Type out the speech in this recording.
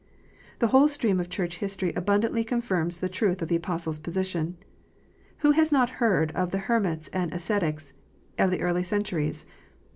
The whole stream of Church history abundantly confirms the truth of the Apostle s position. Who has not heard of the hermits and ascetics of the early centuries